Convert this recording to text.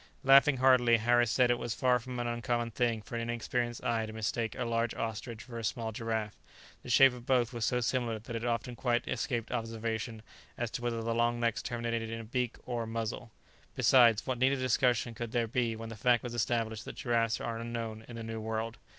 Laughing heartily, Harris said it was far from an uncommon thing for an inexperienced eye to mistake a large ostrich for a small giraffe; the shape of both was so similar, that it often quite escaped observation as to whether the long necks terminated in a beak or a muzzle; besides, what need of discussion could there be when the fact was established that giraffes are unknown in the New World?